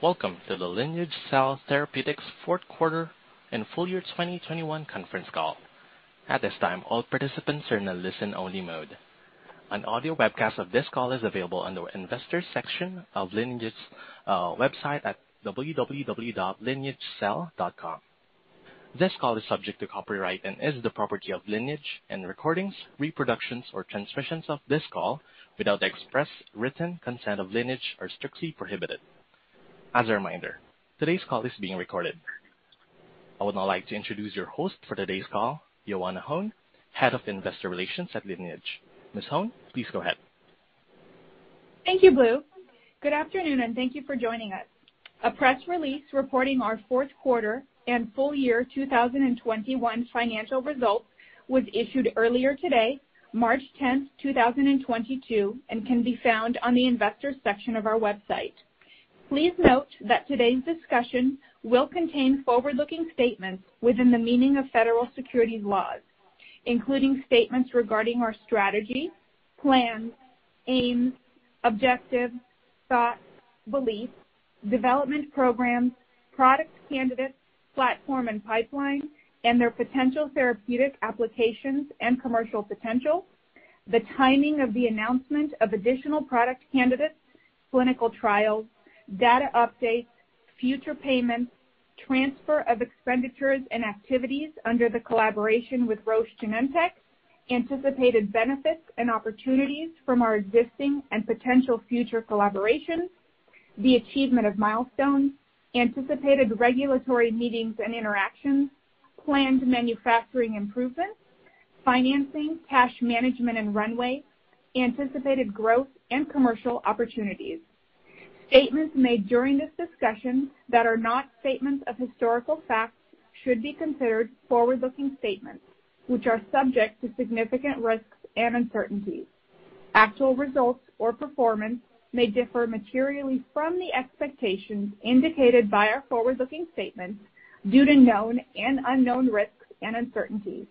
Welcome to the Lineage Cell Therapeutics fourth quarter and full year 2021 conference call. At this time, all participants are in a listen-only mode. An audio webcast of this call is available on the investors section of Lineage's website at www.lineagecell.com. This call is subject to copyright and is the property of Lineage, and recordings, reproductions, or transmissions of this call without the express written consent of Lineage are strictly prohibited. As a reminder, today's call is being recorded. I would now like to introduce your host for today's call, Ioana Hone, Head of Investor Relations at Lineage. Ms. Hone, please go ahead. Thank you, Blue. Good afternoon, and thank you for joining us. A press release reporting our fourth quarter and full year 2021 financial results was issued earlier today, March 10, 2022, and can be found on the investors section of our website. Please note that today's discussion will contain forward-looking statements within the meaning of federal securities laws, including statements regarding our strategy, plans, aims, objectives, thoughts, beliefs, development programs, product candidates, platform and pipeline, and their potential therapeutic applications and commercial potential, the timing of the announcement of additional product candidates, clinical trials, data updates, future payments, transfer of expenditures and activities under the collaboration with Roche and Genentech, anticipated benefits and opportunities from our existing and potential future collaborations, the achievement of milestones, anticipated regulatory meetings and interactions, planned manufacturing improvements, financing, cash management and runway, anticipated growth and commercial opportunities. Statements made during this discussion that are not statements of historical facts should be considered forward-looking statements, which are subject to significant risks and uncertainties. Actual results or performance may differ materially from the expectations indicated by our forward-looking statements due to known and unknown risks and uncertainties.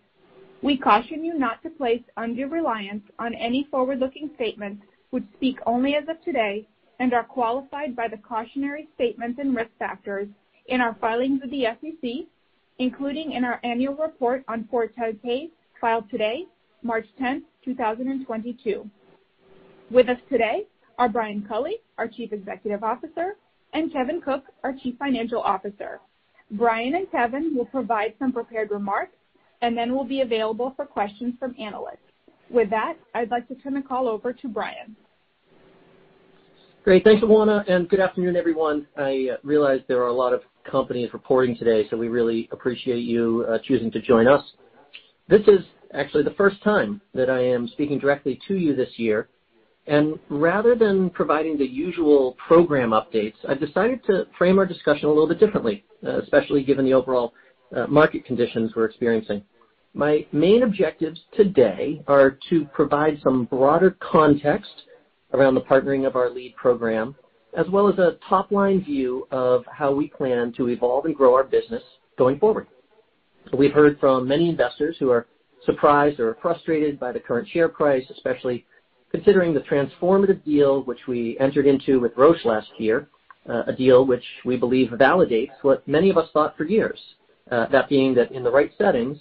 We caution you not to place undue reliance on any forward-looking statements which speak only as of today and are qualified by the cautionary statements and risk factors in our filings with the SEC, including in our annual report on Form 10-K filed today, March 10, 2022. With us today are Brian Culley, our Chief Executive Officer, and Kevin Cook, our Chief Financial Officer. Brian and Kevin will provide some prepared remarks and then will be available for questions from analysts. With that, I'd like to turn the call over to Brian. Great. Thanks, Ioana, and good afternoon, everyone. I realize there are a lot of companies reporting today, so we really appreciate you choosing to join us. This is actually the first time that I am speaking directly to you this year, and rather than providing the usual program updates, I've decided to frame our discussion a little bit differently, especially given the overall market conditions we're experiencing. My main objectives today are to provide some broader context around the partnering of our lead program, as well as a top-line view of how we plan to evolve and grow our business going forward. We've heard from many investors who are surprised or frustrated by the current share price, especially considering the transformative deal which we entered into with Roche last year, a deal which we believe validates what many of us thought for years, that being that in the right settings,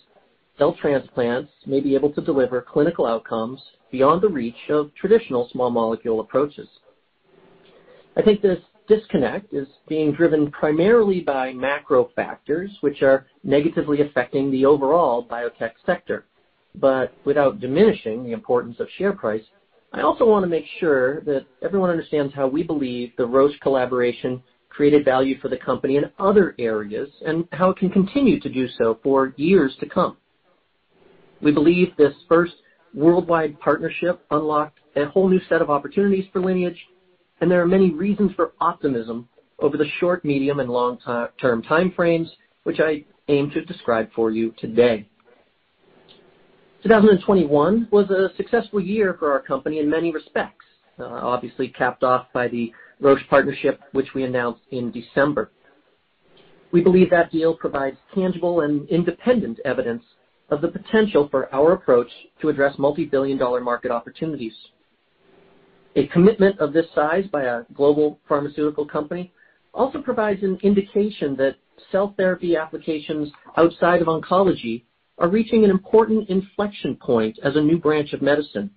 cell transplants may be able to deliver clinical outcomes beyond the reach of traditional small molecule approaches. I think this disconnect is being driven primarily by macro factors, which are negatively affecting the overall biotech sector. Without diminishing the importance of share price, I also want to make sure that everyone understands how we believe the Roche collaboration created value for the company in other areas and how it can continue to do so for years to come. We believe this first worldwide partnership unlocked a whole new set of opportunities for Lineage, and there are many reasons for optimism over the short, medium, and long-term time frames, which I aim to describe for you today. 2021 was a successful year for our company in many respects, obviously capped off by the Roche partnership, which we announced in December. We believe that deal provides tangible and independent evidence of the potential for our approach to address multi-billion-dollar market opportunities. A commitment of this size by a global pharmaceutical company also provides an indication that cell therapy applications outside of oncology are reaching an important inflection point as a new branch of medicine.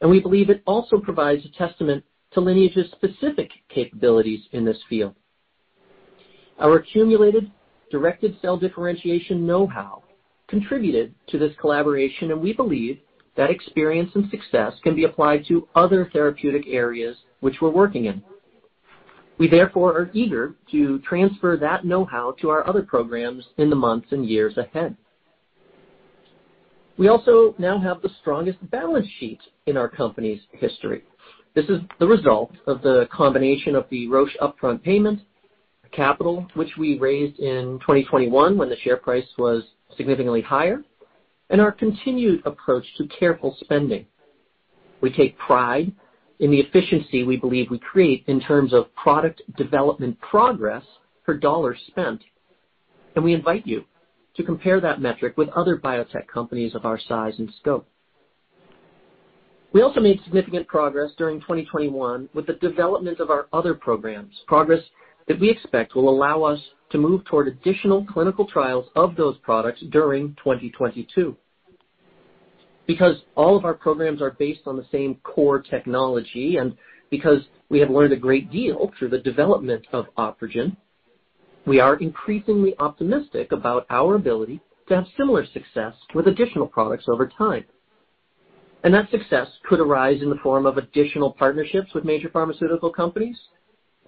We believe it also provides a testament to Lineage's specific capabilities in this field. Our accumulated directed cell differentiation know-how contributed to this collaboration, and we believe that experience and success can be applied to other therapeutic areas which we're working in. We therefore are eager to transfer that know-how to our other programs in the months and years ahead. We also now have the strongest balance sheet in our company's history. This is the result of the combination of the Roche upfront payment, capital which we raised in 2021 when the share price was significantly higher, and our continued approach to careful spending. We take pride in the efficiency we believe we create in terms of product development progress per dollar spent, and we invite you to compare that metric with other biotech companies of our size and scope. We also made significant progress during 2021 with the development of our other programs, progress that we expect will allow us to move toward additional clinical trials of those products during 2022. Because all of our programs are based on the same core technology and because we have learned a great deal through the development of OpRegen, we are increasingly optimistic about our ability to have similar success with additional products over time. That success could arise in the form of additional partnerships with major pharmaceutical companies.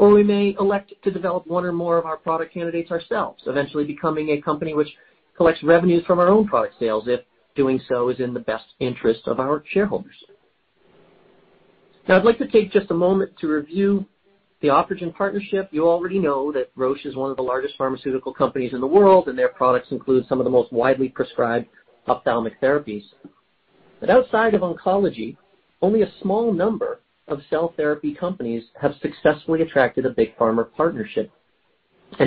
We may elect to develop one or more of our product candidates ourselves, eventually becoming a company which collects revenues from our own product sales if doing so is in the best interest of our shareholders. Now, I'd like to take just a moment to review the OpRegen partnership. You already know that Roche is one of the largest pharmaceutical companies in the world, and their products include some of the most widely prescribed ophthalmic therapies. Outside of oncology, only a small number of cell therapy companies have successfully attracted a big pharma partnership.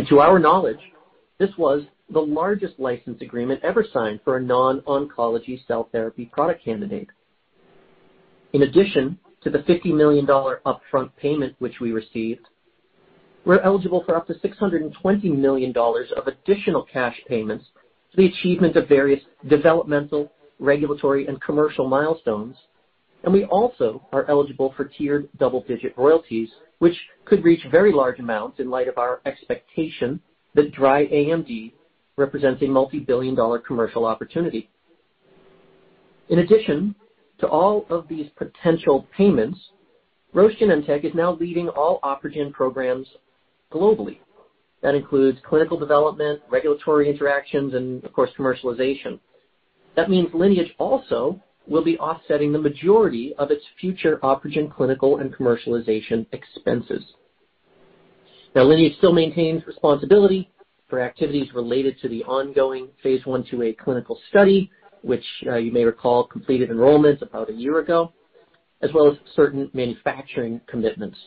To our knowledge, this was the largest license agreement ever signed for a non-oncology cell therapy product candidate. In addition to the $50 million upfront payment which we received, we're eligible for up to $620 million of additional cash payments for the achievement of various developmental, regulatory, and commercial milestones. We also are eligible for tiered double-digit royalties, which could reach very large amounts in light of our expectation that dry AMD represents a multi-billion-dollar commercial opportunity. In addition to all of these potential payments, Roche and Genentech is now leading all OpRegen programs globally. That includes clinical development, regulatory interactions, and of course, commercialization. That means Lineage also will be offsetting the majority of its future OpRegen clinical and commercialization expenses. Lineage still maintains responsibility for activities related to the ongoing phase I/IIa clinical study, which, you may recall completed enrollment about a year ago, as well as certain manufacturing commitments.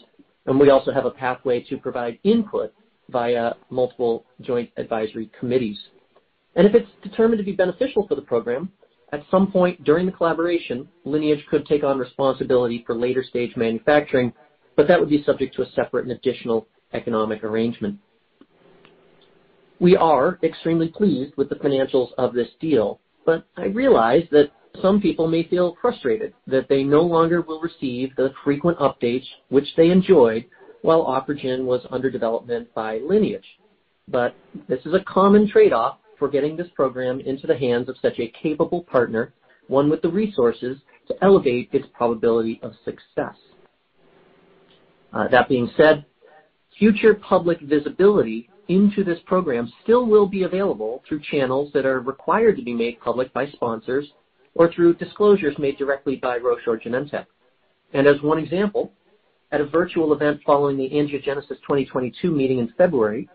We also have a pathway to provide input via multiple joint advisory committees. If it's determined to be beneficial for the program, at some point during the collaboration, Lineage could take on responsibility for later-stage manufacturing, but that would be subject to a separate and additional economic arrangement. We are extremely pleased with the financials of this deal, but I realize that some people may feel frustrated that they no longer will receive the frequent updates which they enjoyed while OpRegen was under development by Lineage. This is a common trade-off for getting this program into the hands of such a capable partner, one with the resources to elevate its probability of success. That being said, future public visibility into this program still will be available through channels that are required to be made public by sponsors or through disclosures made directly by Roche or Genentech. As one example, at a virtual event following the Angiogenesis 2022 meeting in February,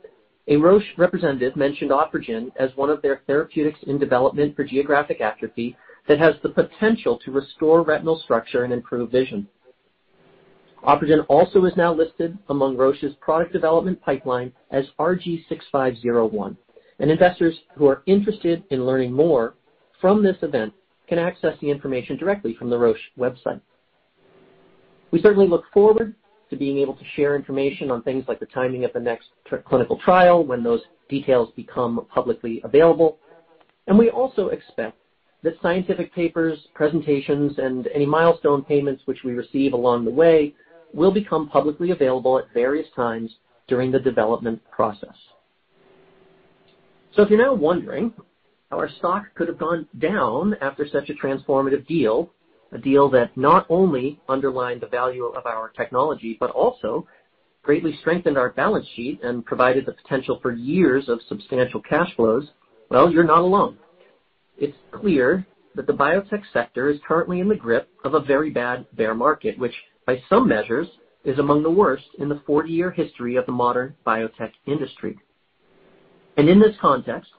a Roche representative mentioned OpRegen as one of their therapeutics in development for geographic atrophy that has the potential to restore retinal structure and improve vision. OpRegen also is now listed among Roche's product development pipeline as RG6501. Investors who are interested in learning more from this event can access the information directly from the Roche website. We certainly look forward to being able to share information on things like the timing of the next clinical trial when those details become publicly available. We also expect that scientific papers, presentations, and any milestone payments which we receive along the way will become publicly available at various times during the development process. If you're now wondering how our stock could have gone down after such a transformative deal, a deal that not only underlined the value of our technology, but also greatly strengthened our balance sheet and provided the potential for years of substantial cash flows, well, you're not alone. It's clear that the biotech sector is currently in the grip of a very bad bear market, which by some measures, is among the worst in the 40-year history of the modern biotech industry. In this context,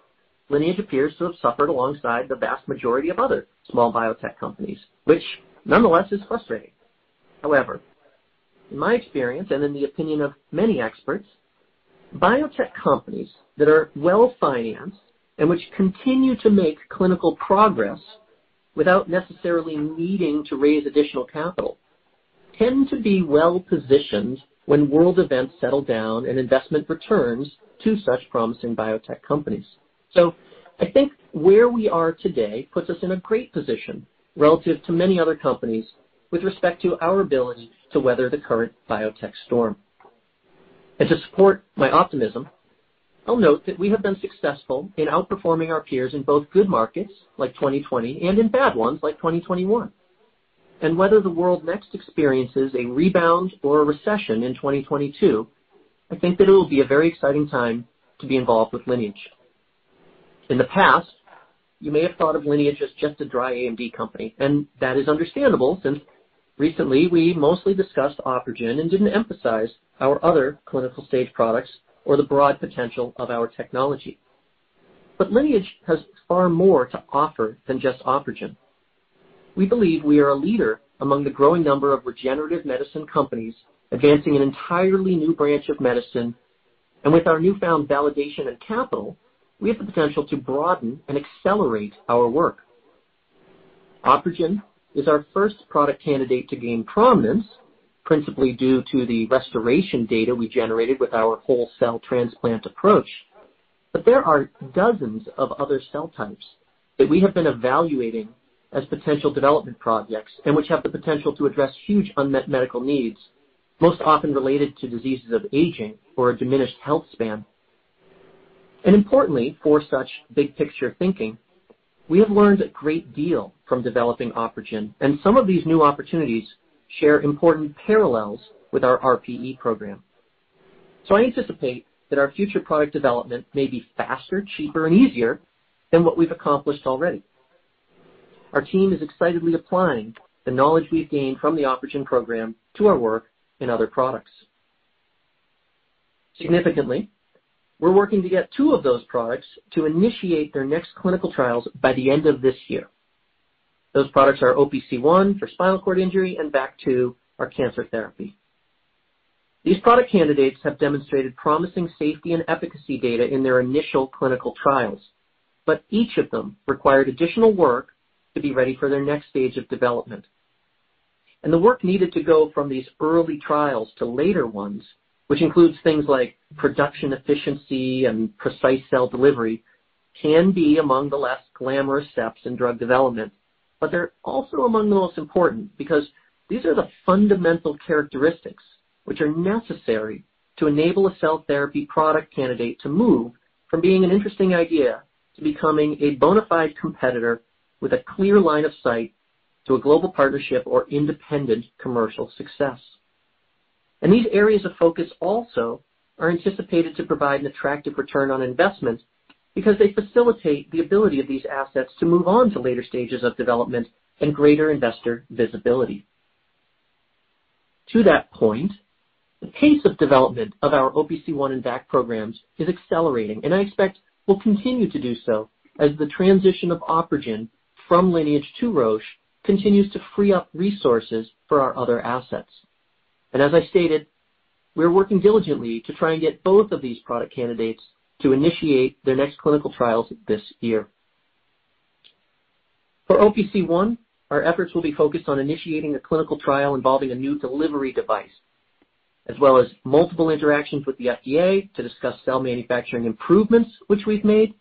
Lineage appears to have suffered alongside the vast majority of other small biotech companies, which nonetheless is frustrating. However, in my experience, and in the opinion of many experts, biotech companies that are well-financed and which continue to make clinical progress without necessarily needing to raise additional capital tend to be well-positioned when world events settle down and investment returns to such promising biotech companies. I think where we are today puts us in a great position relative to many other companies with respect to our ability to weather the current biotech storm to support my optimism. I'll note that we have been successful in outperforming our peers in both good markets like 2020 and in bad ones like 2021. Whether the world next experiences a rebound or a recession in 2022, I think that it'll be a very exciting time to be involved with Lineage. In the past, you may have thought of Lineage as just a dry AMD company, and that is understandable since recently we mostly discussed OpRegen and didn't emphasize our other clinical stage products or the broad potential of our technology. Lineage has far more to offer than just OpRegen. We believe we are a leader among the growing number of regenerative medicine companies advancing an entirely new branch of medicine. With our newfound validation and capital, we have the potential to broaden and accelerate our work. OpRegen is our first product candidate to gain prominence, principally due to the restoration data we generated with our whole cell transplant approach. There are dozens of other cell types that we have been evaluating as potential development projects and which have the potential to address huge unmet medical needs, most often related to diseases of aging or a diminished health span. Importantly, for such big-picture thinking, we have learned a great deal from developing OpRegen, and some of these new opportunities share important parallels with our RPE program. I anticipate that our future product development may be faster, cheaper, and easier than what we've accomplished already. Our team is excitedly applying the knowledge we've gained from the OpRegen program to our work in other products. Significantly, we're working to get two of those products to initiate their next clinical trials by the end of this year. Those products are OPC1 for spinal cord injury and VAC2, our cancer therapy. These product candidates have demonstrated promising safety and efficacy data in their initial clinical trials, but each of them required additional work to be ready for their next stage of development. The work needed to go from these early trials to later ones, which includes things like production efficiency and precise cell delivery, can be among the less glamorous steps in drug development. They're also among the most important, because these are the fundamental characteristics which are necessary to enable a cell therapy product candidate to move from being an interesting idea to becoming a bona fide competitor with a clear line of sight to a global partnership or independent commercial success. These areas of focus also are anticipated to provide an attractive return on investment because they facilitate the ability of these assets to move on to later stages of development and greater investor visibility. To that point, the pace of development of our OPC1 and VAC programs is accelerating, and I expect will continue to do so as the transition of OpRegen from Lineage to Roche continues to free up resources for our other assets. As I stated, we're working diligently to try and get both of these product candidates to initiate their next clinical trials this year. For OPC1, our efforts will be focused on initiating a clinical trial involving a new delivery device, as well as multiple interactions with the FDA to discuss cell manufacturing improvements which we've made,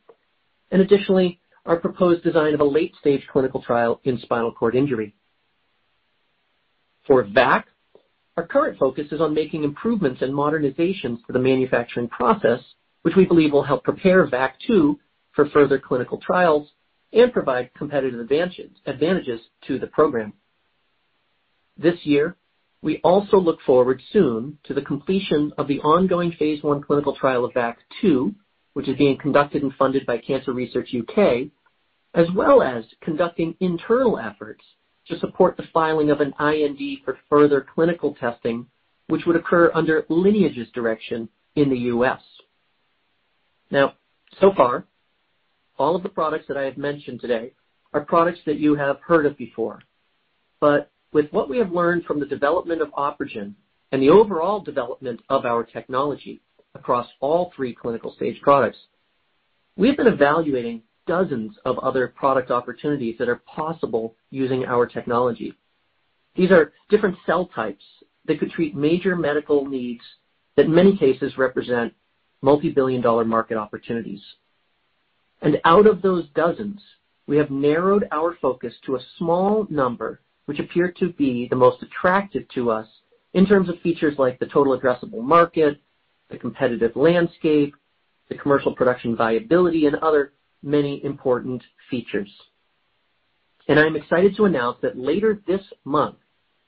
and additionally, our proposed design of a late-stage clinical trial in spinal cord injury. For VAC, our current focus is on making improvements and modernizations to the manufacturing process, which we believe will help prepare VAC2 for further clinical trials and provide competitive advantages to the program. This year, we also look forward soon to the completion of the ongoing phase I clinical trial of VAC2, which is being conducted and funded by Cancer Research UK, as well as conducting internal efforts to support the filing of an IND for further clinical testing, which would occur under Lineage's direction in the U.S. Now, so far, all of the products that I have mentioned today are products that you have heard of before. With what we have learned from the development of OpRegen and the overall development of our technology across all three clinical-stage products, we have been evaluating dozens of other product opportunities that are possible using our technology. These are different cell types that could treat major medical needs that in many cases represent multi-billion-dollar market opportunities. Out of those dozens, we have narrowed our focus to a small number, which appear to be the most attractive to us in terms of features like the total addressable market, the competitive landscape, the commercial production viability, and other many important features. I'm excited to announce that later this month,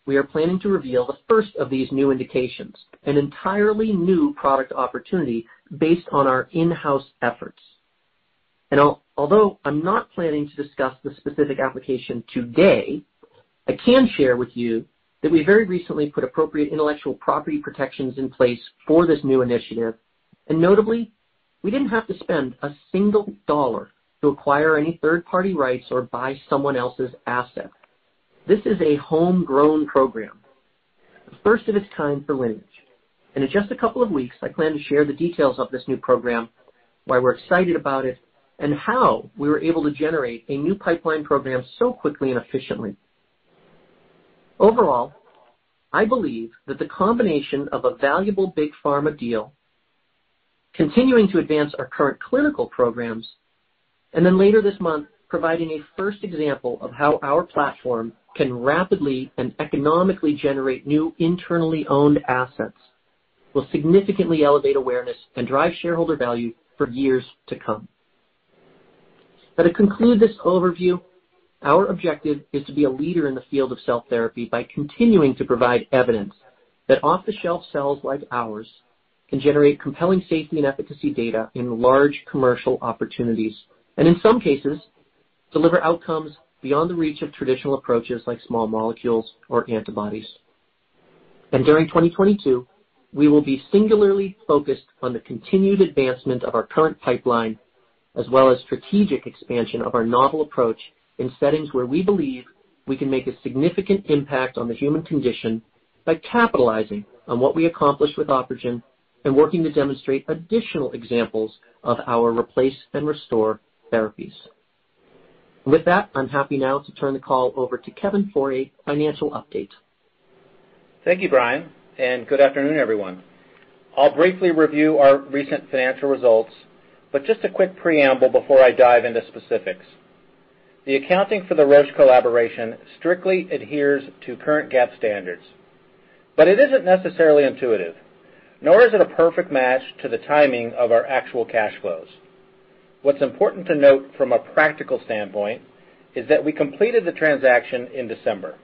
we are planning to reveal the first of these new indications, an entirely new product opportunity based on our in-house efforts. Although I'm not planning to discuss the specific application today, I can share with you that we very recently put appropriate intellectual property protections in place for this new initiative. Notably, we didn't have to spend $1 to acquire any third-party rights or buy someone else's asset. This is a homegrown program, the first of its kind for Lineage. In just a couple of weeks, I plan to share the details of this new program, why we're excited about it, and how we were able to generate a new pipeline program so quickly and efficiently. Overall, I believe that the combination of a valuable big pharma deal, continuing to advance our current clinical programs, and then later this month, providing a first example of how our platform can rapidly and economically generate new internally owned assets will significantly elevate awareness and drive shareholder value for years to come. To conclude this overview, our objective is to be a leader in the field of cell therapy by continuing to provide evidence that off-the-shelf cells like ours can generate compelling safety and efficacy data in large commercial opportunities, and in some cases, deliver outcomes beyond the reach of traditional approaches like small molecules or antibodies. During 2022, we will be singularly focused on the continued advancement of our current pipeline, as well as strategic expansion of our novel approach in settings where we believe we can make a significant impact on the human condition by capitalizing on what we accomplished with OpRegen and working to demonstrate additional examples of our replace and restore therapies. With that, I'm happy now to turn the call over to Kevin for a financial update. Thank you, Brian, and good afternoon, everyone. I'll briefly review our recent financial results, but just a quick preamble before I dive into specifics. The accounting for the Roche collaboration strictly adheres to current GAAP standards, but it isn't necessarily intuitive, nor is it a perfect match to the timing of our actual cash flows. What's important to note from a practical standpoint is that we completed the transaction in December,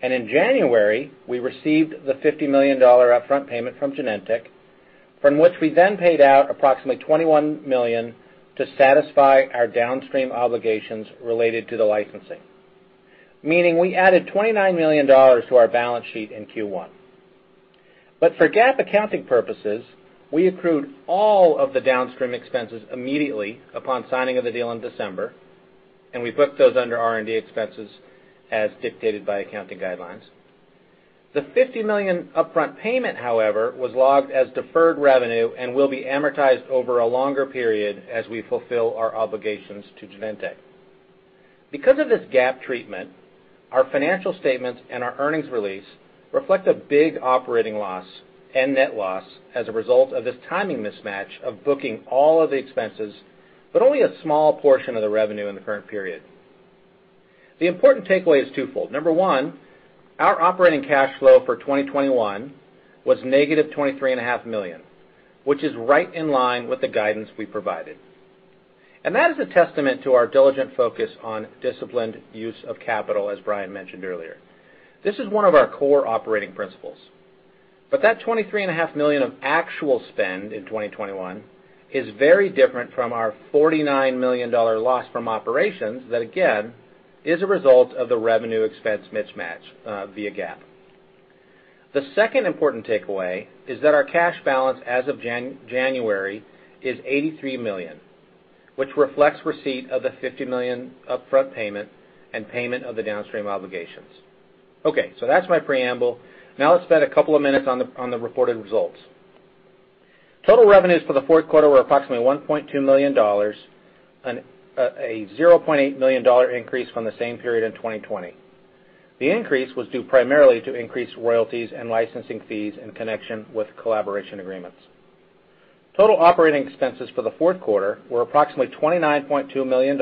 and in January, we received the $50 million upfront payment from Genentech, from which we then paid out approximately $21 million to satisfy our downstream obligations related to the licensing, meaning we added $29 million to our balance sheet in Q1. For GAAP accounting purposes, we accrued all of the downstream expenses immediately upon signing of the deal in December, and we booked those under R&D expenses as dictated by accounting guidelines. The $50 million upfront payment, however, was logged as deferred revenue and will be amortized over a longer period as we fulfill our obligations to Genentech. Because of this GAAP treatment, our financial statements and our earnings release reflect a big operating loss and net loss as a result of this timing mismatch of booking all of the expenses, but only a small portion of the revenue in the current period. The important takeaway is twofold. Number one, our operating cash flow for 2021 was negative $23 and a half million, which is right in line with the guidance we provided. That is a testament to our diligent focus on disciplined use of capital, as Brian mentioned earlier. This is one of our core operating principles. That 23 and a half million of actual spend in 2021 is very different from our $49 million loss from operations that, again, is a result of the revenue expense mismatch via GAAP. The second important takeaway is that our cash balance as of January is $83 million, which reflects receipt of the $50 million upfront payment and payment of the downstream obligations. Okay, so that's my preamble. Now let's spend a couple of minutes on the reported results. Total revenues for the fourth quarter were approximately $1.2 million, a $0.8 million increase from the same period in 2020. The increase was due primarily to increased royalties and licensing fees in connection with collaboration agreements. Total operating expenses for the fourth quarter were approximately $29.2 million,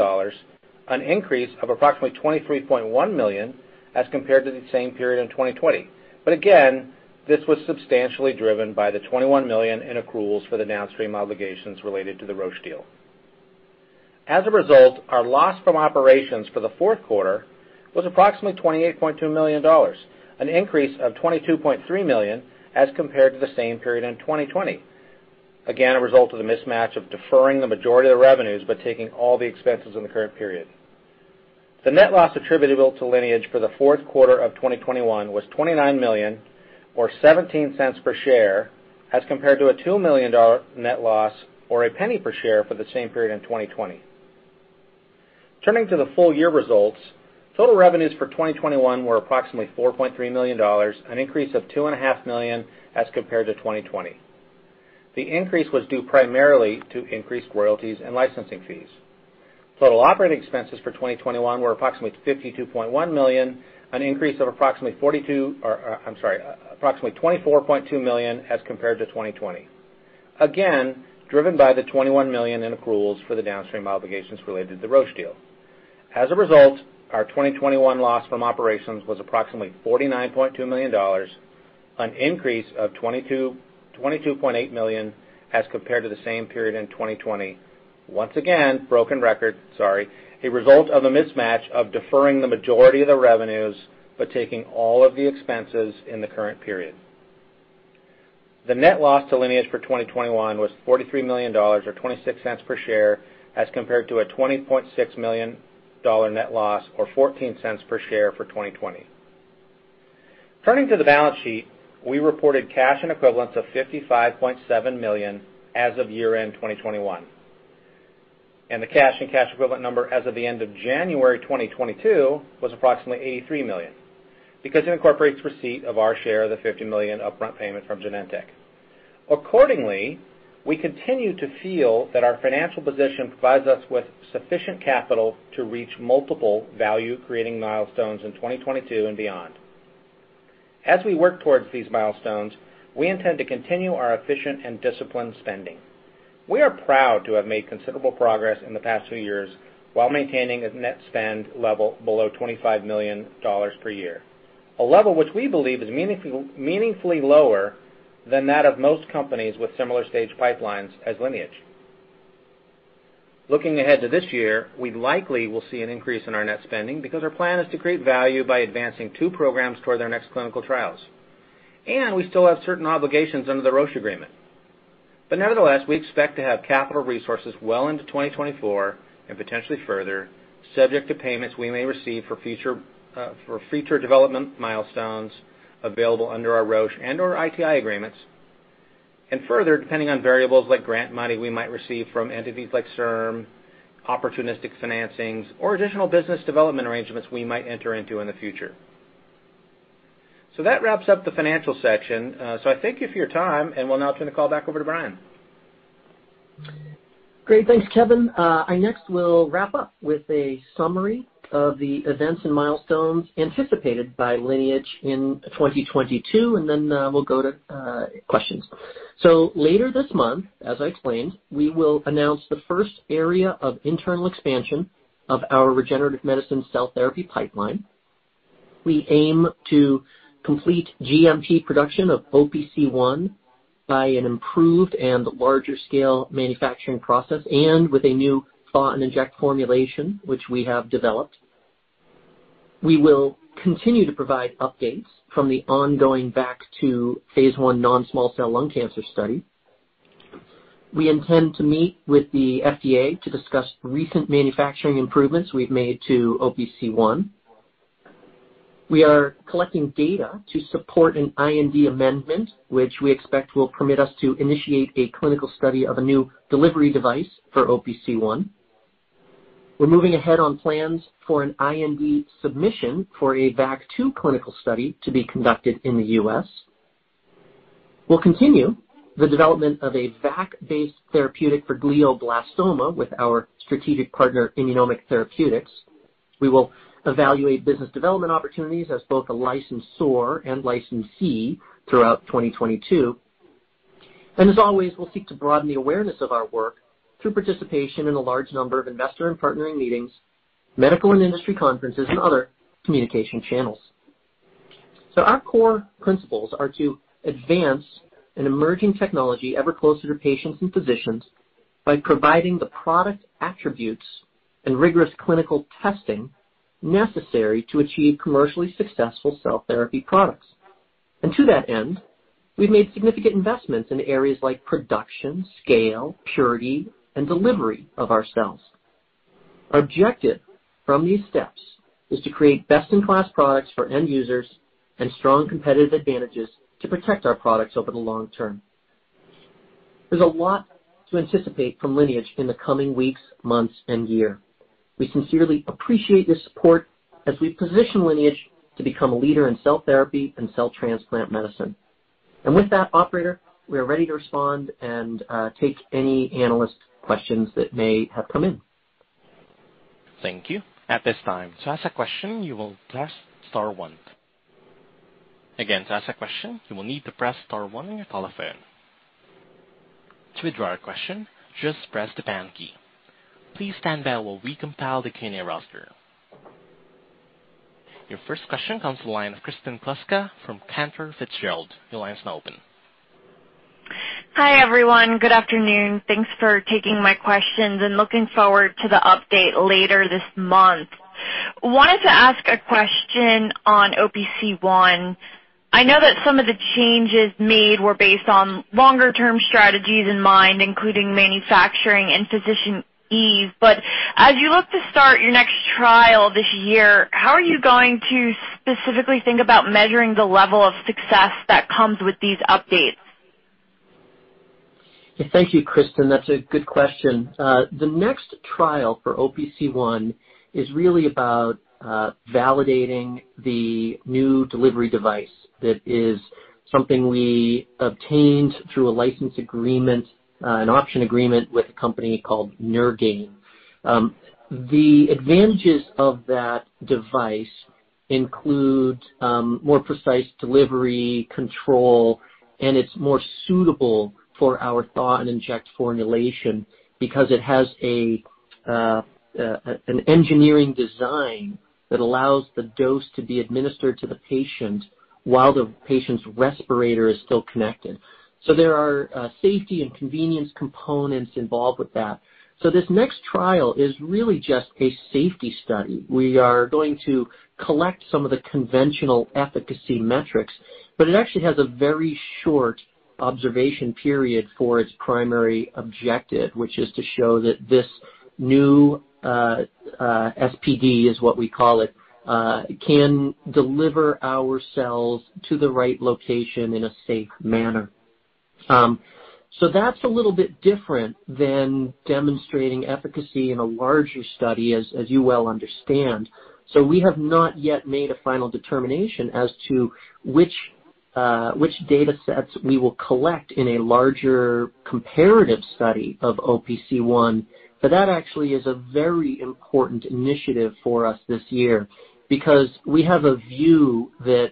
an increase of approximately $23.1 million as compared to the same period in 2020. Again, this was substantially driven by the $21 million in accruals for the downstream obligations related to the Roche deal. As a result, our loss from operations for the fourth quarter was approximately $28.2 million, an increase of $22.3 million as compared to the same period in 2020. Again, a result of the mismatch of deferring the majority of the revenues but taking all the expenses in the current period. The net loss attributable to Lineage for the fourth quarter of 2021 was $29 million or $0.17 per share as compared to a $2 million net loss or $0.01 per share for the same period in 2020. Turning to the full year results, total revenues for 2021 were approximately $4.3 million, an increase of $2.5 million as compared to 2020. The increase was due primarily to increased royalties and licensing fees. Total operating expenses for 2021 were approximately $52.1 million, an increase of approximately $24.2 million as compared to 2020. Again, driven by the $21 million in accruals for the downstream obligations related to the Roche deal. As a result, our 2021 loss from operations was approximately $49.2 million, an increase of $22.8 million as compared to the same period in 2020. Once again, broken record, sorry, a result of a mismatch of deferring the majority of the revenues but taking all of the expenses in the current period. The net loss to Lineage for 2021 was $43 million or $0.26 per share as compared to a $20.6 million net loss or $0.14 per share for 2020. Turning to the balance sheet, we reported cash and equivalents of $55.7 million as of year-end 2021. The cash and cash equivalent number as of the end of January 2022 was approximately $83 million because it incorporates receipt of our share of the $50 million upfront payment from Genentech. Accordingly, we continue to feel that our financial position provides us with sufficient capital to reach multiple value-creating milestones in 2022 and beyond. As we work towards these milestones, we intend to continue our efficient and disciplined spending. We are proud to have made considerable progress in the past few years while maintaining a net spend level below $25 million per year, a level which we believe is meaningful, meaningfully lower than that of most companies with similar stage pipelines as Lineage. Looking ahead to this year, we likely will see an increase in our net spending because our plan is to create value by advancing two programs toward their next clinical trials. We still have certain obligations under the Roche agreement. Nevertheless, we expect to have capital resources well into 2024 and potentially further, subject to payments we may receive for future development milestones available under our Roche and/or ITI agreements. Further, depending on variables like grant money we might receive from entities like CIRM, opportunistic financings or additional business development arrangements we might enter into in the future. That wraps up the financial section. I thank you for your time, and we'll now turn the call back over to Brian. Great. Thanks, Kevin. I next will wrap up with a summary of the events and milestones anticipated by Lineage in 2022, and then, we'll go to questions. Later this month, as I explained, we will announce the first area of internal expansion of our regenerative medicine cell therapy pipeline. We aim to complete GMP production of OPC1 by an improved and larger scale manufacturing process and with a new thaw and inject formulation, which we have developed. We will continue to provide updates from the ongoing VAC2 phase I non-small cell lung cancer study. We intend to meet with the FDA to discuss recent manufacturing improvements we've made to OPC1. We are collecting data to support an IND amendment, which we expect will permit us to initiate a clinical study of a new delivery device for OPC1. We're moving ahead on plans for an IND submission for a VAC2 clinical study to be conducted in the U.S. We'll continue the development of a VAC-based therapeutic for glioblastoma with our strategic partner, Immunomic Therapeutics. We will evaluate business development opportunities as both a licensor and licensee throughout 2022. As always, we'll seek to broaden the awareness of our work through participation in a large number of investor and partnering meetings, medical and industry conferences, and other communication channels. Our core principles are to advance an emerging technology ever closer to patients and physicians by providing the product attributes and rigorous clinical testing necessary to achieve commercially successful cell therapy products. To that end, we've made significant investments in areas like production, scale, purity, and delivery of our cells. Our objective from these steps is to create best-in-class products for end users and strong competitive advantages to protect our products over the long term. There's a lot to anticipate from Lineage in the coming weeks, months, and year. We sincerely appreciate your support as we position Lineage to become a leader in cell therapy and cell transplant medicine. With that operator, we are ready to respond and take any analyst questions that may have come in. Thank you. At this time, to ask a question, you will press star one. Again, to ask a question, you will need to press star one on your telephone. To withdraw a question, just press the pound key. Please stand by while we compile the Q&A roster. Your first question comes to the line of Kristen Kluska from Cantor Fitzgerald. Your line is now open. Hi, everyone. Good afternoon. Thanks for taking my questions and looking forward to the update later this month. Wanted to ask a question on OPC1. I know that some of the changes made were based on longer term strategies in mind, including manufacturing and physician ease. As you look to start your next trial this year, how are you going to specifically think about measuring the level of success that comes with these updates? Thank you, Kristen. That's a good question. The next trial for OPC1 is really about validating the new delivery device. That is something we obtained through a license agreement, an option agreement with a company called Neurgain Technologies. The advantages of that device include more precise delivery control, and it's more suitable for our thaw and inject formulation because it has an engineering design that allows the dose to be administered to the patient while the patient's respirator is still connected. There are safety and convenience components involved with that. This next trial is really just a safety study. We are going to collect some of the conventional efficacy metrics, but it actually has a very short observation period for its primary objective, which is to show that this new SPD, is what we call it, can deliver our cells to the right location in a safe manner. That's a little bit different than demonstrating efficacy in a larger study, as you well understand. We have not yet made a final determination as to which datasets we will collect in a larger comparative study of OPC1. That actually is a very important initiative for us this year because we have a view that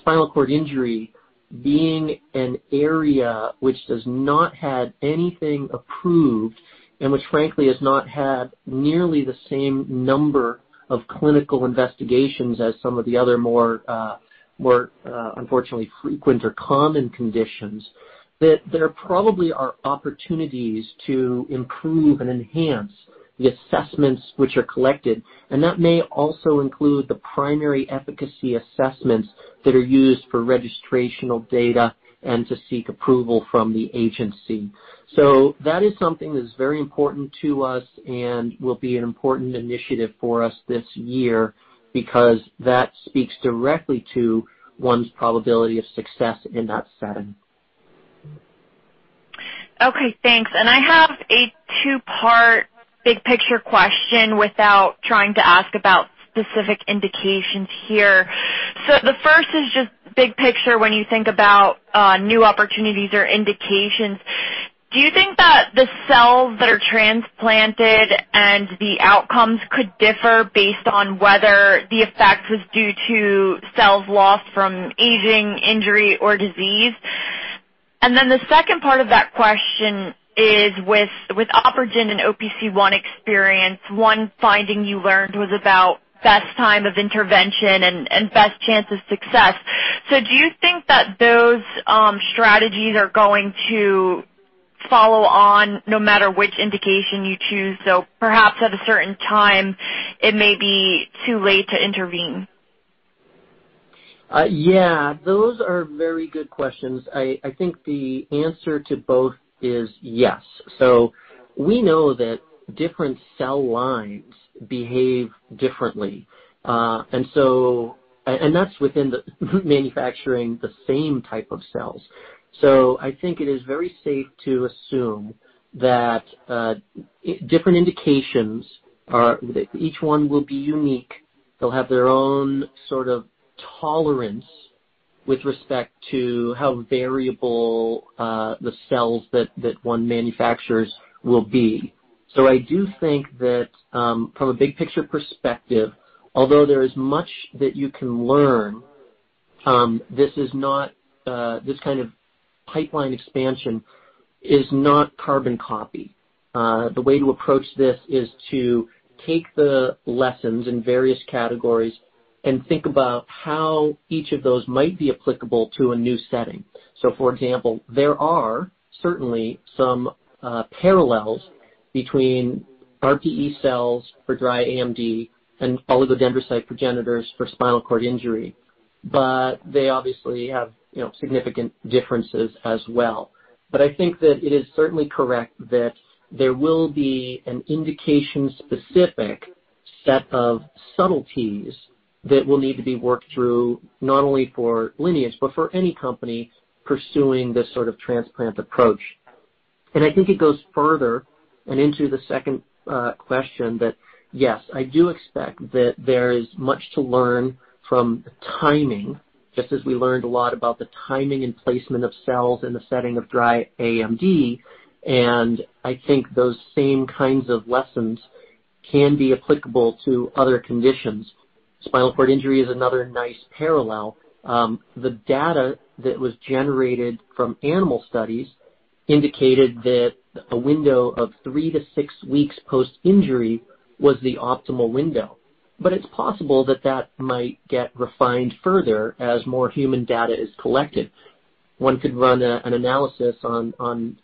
spinal cord injury being an area which has not had anything approved and which frankly has not had nearly the same number of clinical investigations as some of the other more unfortunately frequent or common conditions, that there probably are opportunities to improve and enhance the assessments which are collected. That may also include the primary efficacy assessments that are used for registrational data and to seek approval from the agency. That is something that is very important to us and will be an important initiative for us this year because that speaks directly to one's probability of success in that setting. Okay, thanks. I have a two-part big picture question without trying to ask about specific indications here. The first is just big picture when you think about new opportunities or indications. Do you think that the cells that are transplanted and the outcomes could differ based on whether the effect was due to cells lost from aging, injury or disease? The second part of that question is with OpRegen and OPC1 experience, one finding you learned was about best time of intervention and best chance of success. Do you think that those strategies are going to follow on no matter which indication you choose, though perhaps at a certain time it may be too late to intervene? Yeah, those are very good questions. I think the answer to both is yes. We know that different cell lines behave differently. That's within the manufacturing the same type of cells. I think it is very safe to assume that different indications are each one will be unique. They'll have their own sort of tolerance with respect to how variable the cells that one manufactures will be. I do think that from a big picture perspective, although there is much that you can learn, this kind of pipeline expansion is not carbon copy. The way to approach this is to take the lessons in various categories and think about how each of those might be applicable to a new setting. For example, there are certainly some parallels between RPE cells for dry AMD and oligodendrocyte progenitors for spinal cord injury, but they obviously have, you know, significant differences as well. I think that it is certainly correct that there will be an indication-specific set of subtleties that will need to be worked through not only for Lineage, but for any company pursuing this sort of transplant approach. I think it goes further and into the second question that, yes, I do expect that there is much to learn from timing, just as we learned a lot about the timing and placement of cells in the setting of dry AMD. I think those same kinds of lessons can be applicable to other conditions. Spinal cord injury is another nice parallel. The data that was generated from animal studies indicated that a window of three to four weeks post-injury was the optimal window. It's possible that that might get refined further as more human data is collected. One could run an analysis on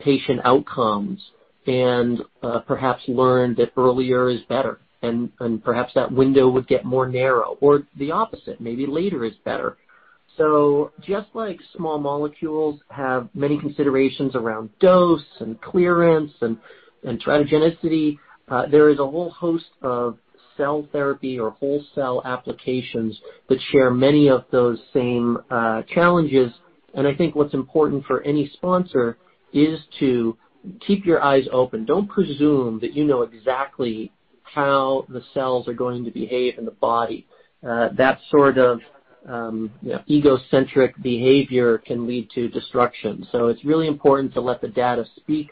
patient outcomes and perhaps learn that earlier is better, and perhaps that window would get more narrow or the opposite, maybe later is better. Just like small molecules have many considerations around dose and clearance and teratogenicity, there is a whole host of cell therapy or whole cell applications that share many of those same challenges. I think what's important for any sponsor is to keep your eyes open. Don't presume that you know exactly how the cells are going to behave in the body. That sort of egocentric behavior can lead to destruction. It's really important to let the data speak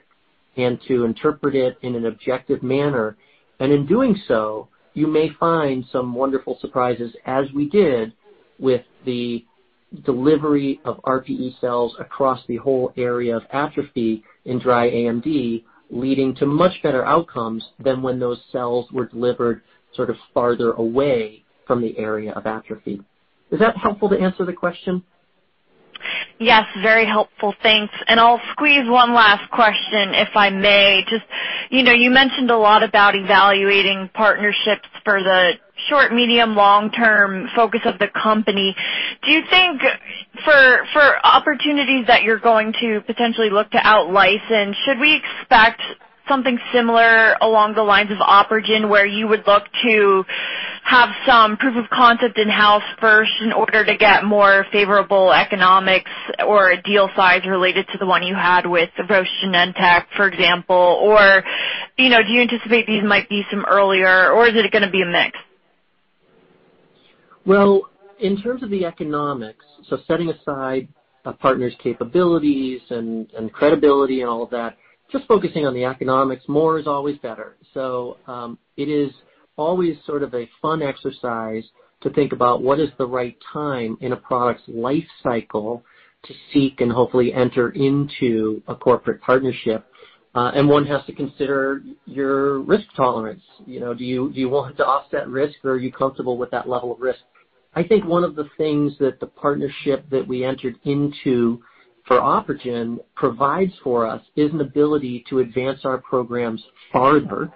and to interpret it in an objective manner. In doing so, you may find some wonderful surprises, as we did with the delivery of RPE cells across the whole area of atrophy in dry AMD, leading to much better outcomes than when those cells were delivered sort of farther away from the area of atrophy. Is that helpful to answer the question? Yes, very helpful. Thanks. I'll squeeze one last question, if I may. Just, you know, you mentioned a lot about evaluating partnerships for the short, medium, long-term focus of the company. Do you think for opportunities that you're going to potentially look to out-license, should we expect something similar along the lines of OpRegen, where you would look to have some proof of concept in-house first in order to get more favorable economics or a deal size related to the one you had with Roche/Genentech, for example? Or, you know, do you anticipate these might be some earlier, or is it gonna be a mix? Well, in terms of the economics, setting aside a partner's capabilities and credibility and all of that, just focusing on the economics, more is always better. It is always sort of a fun exercise to think about what is the right time in a product's life cycle to seek and hopefully enter into a corporate partnership. One has to consider your risk tolerance. You know, do you want to offset risk or are you comfortable with that level of risk? I think one of the things that the partnership that we entered into for OpRegen provides for us is an ability to advance our programs farther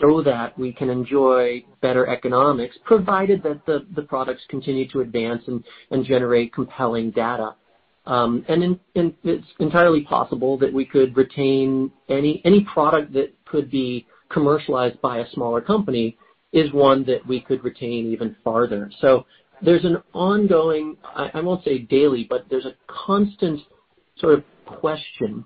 so that we can enjoy better economics, provided that the products continue to advance and generate compelling data. It's entirely possible that we could retain any product that could be commercialized by a smaller company is one that we could retain even farther. There's an ongoing, I won't say daily, but there's a constant sort of question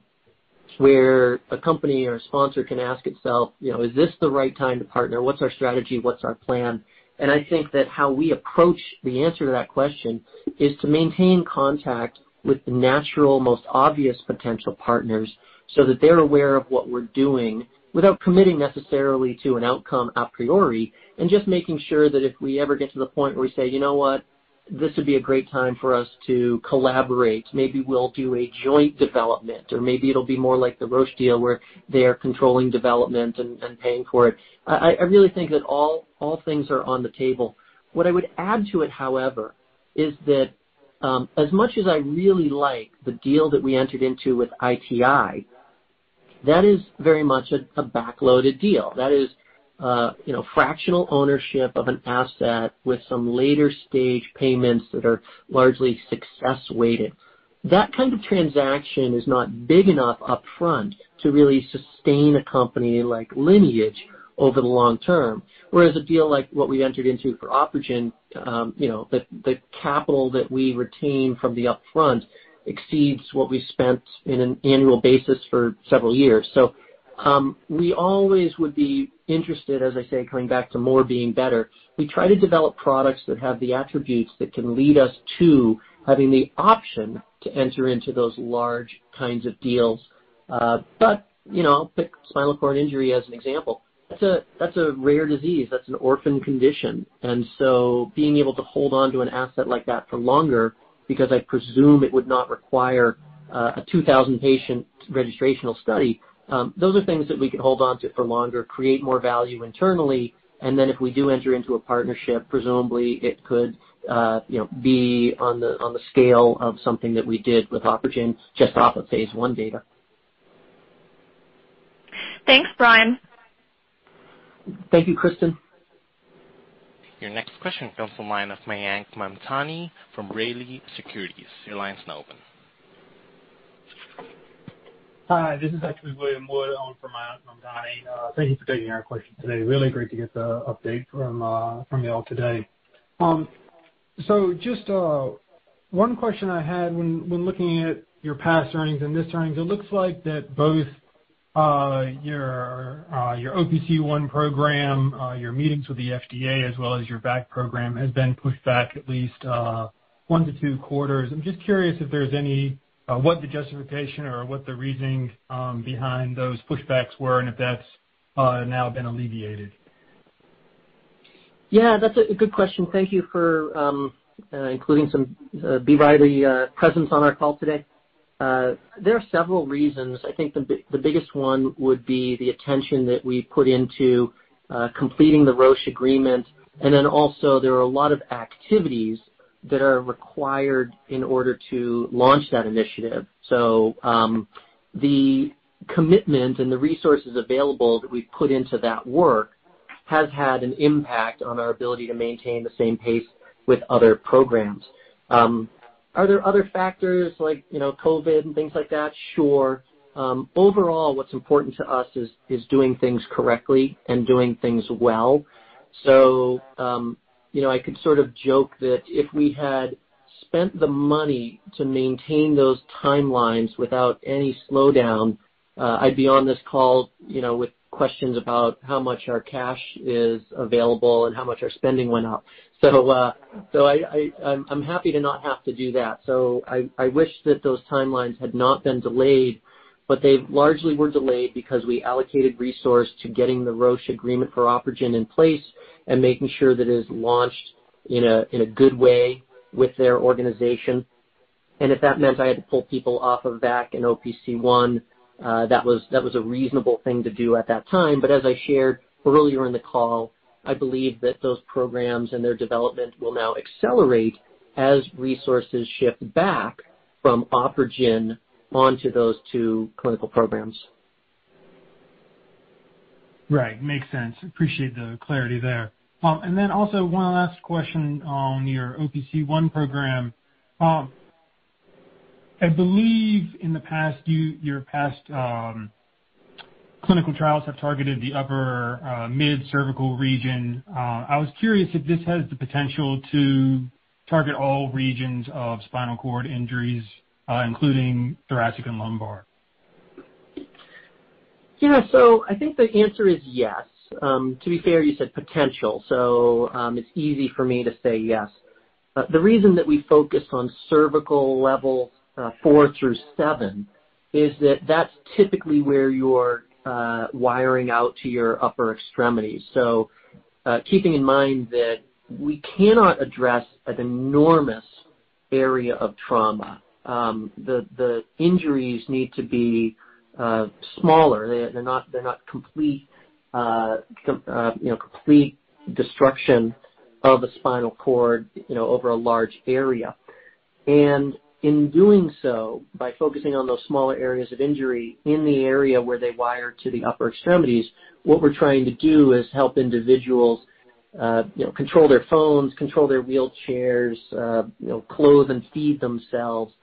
where a company or a sponsor can ask itself, you know, is this the right time to partner? What's our strategy? What's our plan? I think that how we approach the answer to that question is to maintain contact with the natural, most obvious potential partners so that they're aware of what we're doing without committing necessarily to an outcome a priori, and just making sure that if we ever get to the point where we say, "You know what? This would be a great time for us to collaborate. Maybe we'll do a joint development, or maybe it'll be more like the Roche deal where they are controlling development and paying for it." I really think that all things are on the table. What I would add to it, however, is that as much as I really like the deal that we entered into with ITI, that is very much a back-loaded deal. That is, you know, fractional ownership of an asset with some later-stage payments that are largely success weighted. That kind of transaction is not big enough upfront to really sustain a company like Lineage over the long term, whereas a deal like what we entered into for OpRegen, you know, the capital that we retain from the upfront exceeds what we spent on an annual basis for several years. We always would be interested, as I say, coming back to more being better. We try to develop products that have the attributes that can lead us to having the option to enter into those large kinds of deals. You know, pick spinal cord injury as an example. That's a rare disease. That's an orphan condition. Being able to hold onto an asset like that for longer because I presume it would not require a 2,000-patient registrational study, those are things that we can hold onto for longer, create more value internally, and then if we do enter into a partnership, presumably it could, you know, be on the scale of something that we did with OpRegen just off of phase I data. Thanks, Brian. Thank you, Kristen. Your next question comes from the line of Mayank Mamtani from B. Riley Securities. Your line's now open. Hi, this is actually William Wood on for Mayank Mamtani. Thank you for taking our question today. Really great to get the update from y'all today. Just one question I had when looking at your past earnings and this earnings. It looks like that both your OPC1 program, your meetings with the FDA, as well as your VAC program, has been pushed back at least 1-2 quarters. I'm just curious if there's any, what the justification or what the reasoning behind those pushbacks were and if that's now been alleviated. Yeah, that's a good question. Thank you for including some of the buy-side presence on our call today. There are several reasons. I think the biggest one would be the attention that we put into completing the Roche agreement. Then also there are a lot of activities that are required in order to launch that initiative. The commitment and the resources available that we've put into that work has had an impact on our ability to maintain the same pace with other programs. Are there other factors like, you know, COVID and things like that? Sure. Overall, what's important to us is doing things correctly and doing things well. You know, I could sort of joke that if we had spent the money to maintain those timelines without any slowdown, I'd be on this call, you know, with questions about how much our cash is available and how much our spending went up. I'm happy to not have to do that. I wish that those timelines had not been delayed, but they largely were delayed because we allocated resource to getting the Roche agreement for OpRegen in place and making sure that it is launched in a good way with their organization. If that meant I had to pull people off of VAC and OPC1, that was a reasonable thing to do at that time. As I shared earlier in the call, I believe that those programs and their development will now accelerate as resources shift back from OpRegen onto those two clinical programs. Right. Makes sense. Appreciate the clarity there. One last question on your OPC1 program. I believe in the past, your past clinical trials have targeted the upper mid cervical region. I was curious if this has the potential to target all regions of spinal cord injuries, including thoracic and lumbar. Yeah. I think the answer is yes. To be fair, you said potential, so it's easy for me to say yes. The reason that we focused on cervical level 4-7 is that that's typically where you're wiring out to your upper extremities. Keeping in mind that we cannot address an enormous area of trauma, the injuries need to be smaller. They're not complete destruction of a spinal cord, you know, over a large area. In doing so, by focusing on those smaller areas of injury in the area where they wire to the upper extremities, what we're trying to do is help individuals, you know, control their phones, control their wheelchairs, you know, clothe and feed themselves.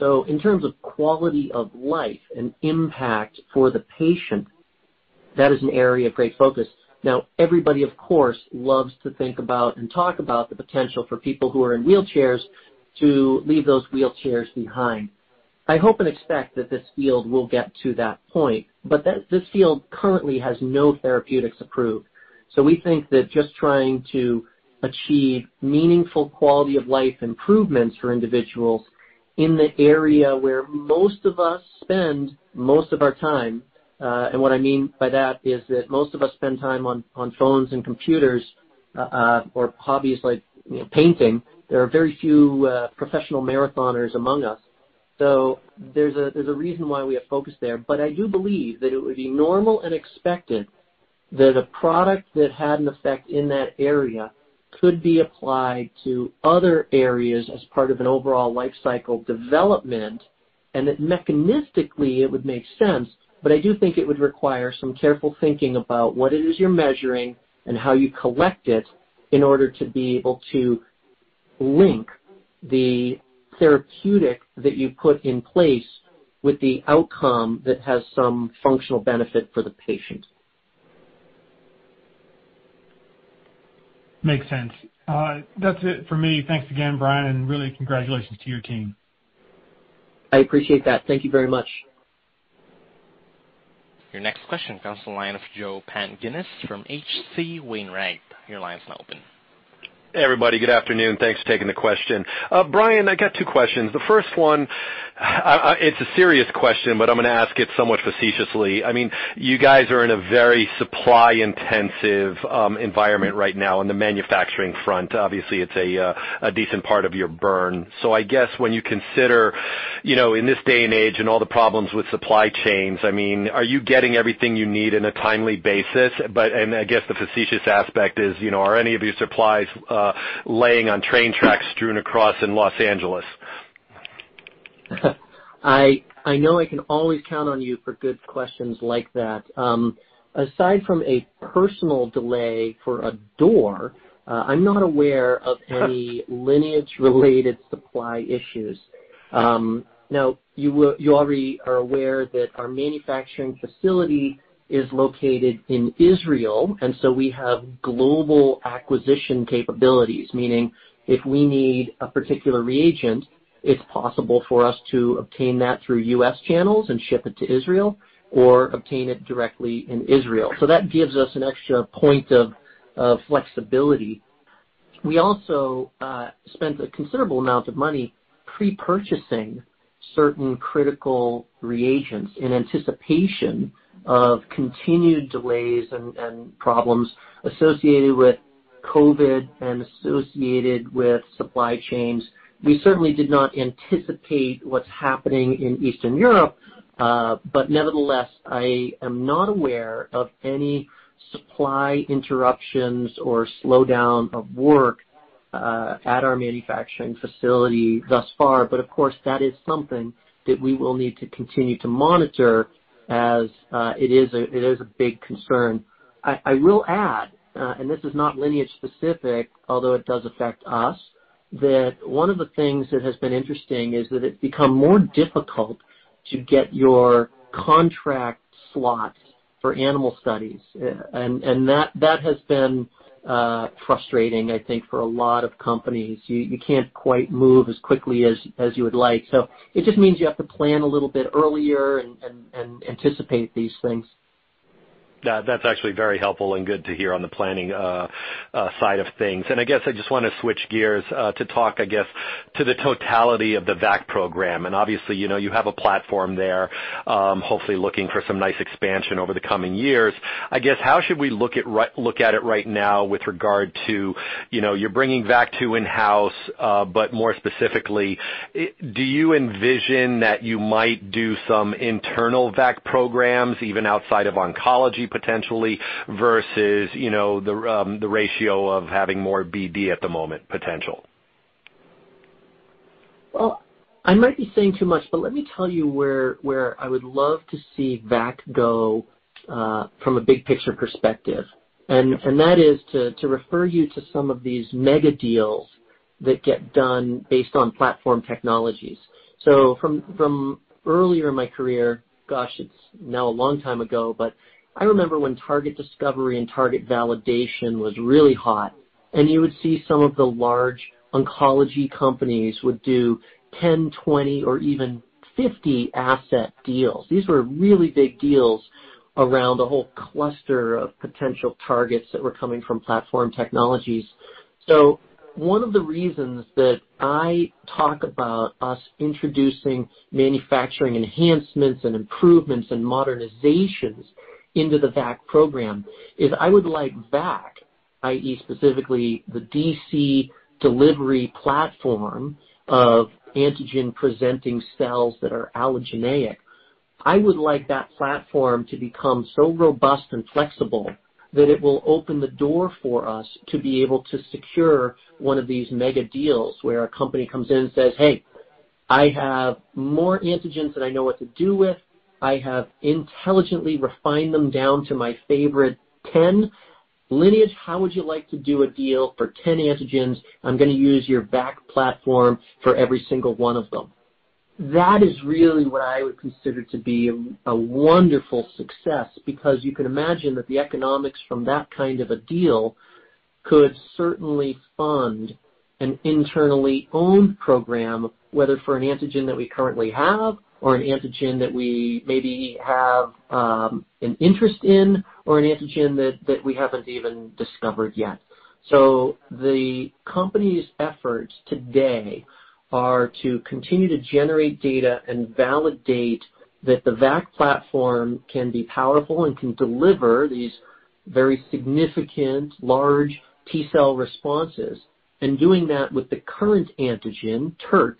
In terms of quality of life and impact for the patient. That is an area of great focus. Now everybody, of course, loves to think about and talk about the potential for people who are in wheelchairs to leave those wheelchairs behind. I hope and expect that this field will get to that point, but that this field currently has no therapeutics approved. We think that just trying to achieve meaningful quality of life improvements for individuals in the area where most of us spend most of our time, and what I mean by that is that most of us spend time on phones and computers, or hobbies like, you know, painting. There are very few professional marathoners among us. There's a reason why we have focused there. I do believe that it would be normal and expected that a product that had an effect in that area could be applied to other areas as part of an overall life cycle development, and that mechanistically it would make sense. I do think it would require some careful thinking about what it is you're measuring and how you collect it in order to be able to link the therapeutic that you put in place with the outcome that has some functional benefit for the patient. Makes sense. That's it for me. Thanks again, Brian, and really congratulations to your team. I appreciate that. Thank you very much. Your next question comes to the line of Joe Pantginis from H.C. Wainwright. Your line's now open. Hey, everybody. Good afternoon. Thanks for taking the question. Brian, I got two questions. The first one, it's a serious question, but I'm gonna ask it somewhat facetiously. I mean, you guys are in a very supply intensive environment right now on the manufacturing front. Obviously, it's a decent part of your burn. I guess when you consider, you know, in this day and age and all the problems with supply chains, I mean, are you getting everything you need in a timely basis? I guess the facetious aspect is, you know, are any of your supplies laying on train tracks strewn across in Los Angeles? I know I can always count on you for good questions like that. Aside from a personal delay for a door, I'm not aware of any Lineage-related supply issues. Now you already are aware that our manufacturing facility is located in Israel, and so we have global acquisition capabilities. Meaning if we need a particular reagent, it's possible for us to obtain that through U.S. channels and ship it to Israel or obtain it directly in Israel. That gives us an extra point of flexibility. We also spent a considerable amount of money pre-purchasing certain critical reagents in anticipation of continued delays and problems associated with COVID and associated with supply chains. We certainly did not anticipate what's happening in Eastern Europe. Nevertheless, I am not aware of any supply interruptions or slowdown of work at our manufacturing facility thus far. Of course, that is something that we will need to continue to monitor as it is a big concern. I will add, and this is not Lineage specific, although it does affect us, that one of the things that has been interesting is that it's become more difficult to get your contract slots for animal studies. That has been frustrating, I think, for a lot of companies. You can't quite move as quickly as you would like. It just means you have to plan a little bit earlier and anticipate these things. That's actually very helpful and good to hear on the planning side of things. I guess I just wanna switch gears to talk, I guess, to the totality of the VAC program. Obviously, you know, you have a platform there, hopefully looking for some nice expansion over the coming years. I guess how should we look at it right now with regard to, you know, you're bringing VAC2 in-house, but more specifically, do you envision that you might do some internal VAC programs even outside of oncology potentially, versus, you know, the ratio of having more BD at the moment potential? Well, I might be saying too much, but let me tell you where I would love to see VAC go from a big picture perspective. That is to refer you to some of these mega deals that get done based on platform technologies. From earlier in my career, gosh, it's now a long time ago, but I remember when target discovery and target validation was really hot, and you would see some of the large oncology companies would do 10, 20 or even 50 asset deals. These were really big deals around a whole cluster of potential targets that were coming from platform technologies. One of the reasons that I talk about us introducing manufacturing enhancements and improvements and modernizations into the VAC program is I would like VAC, i.e., specifically the DC delivery platform of antigen presenting cells that are allogeneic. I would like that platform to become so robust and flexible that it will open the door for us to be able to secure one of these mega deals where a company comes in and says, "Hey, I have more antigens than I know what to do with. I have intelligently refined them down to my favorite ten. Lineage, how would you like to do a deal for ten antigens? I'm gonna use your VAC platform for every single one of them." That is really what I would consider to be a wonderful success, because you can imagine that the economics from that kind of a deal could certainly fund an internally owned program, whether for an antigen that we currently have or an antigen that we maybe have an interest in or an antigen that we haven't even discovered yet. The company's efforts today are to continue to generate data and validate that the VAC platform can be powerful and can deliver these very significant large T-cell responses, and doing that with the current antigen, TERT,